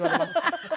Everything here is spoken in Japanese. ハハハハ。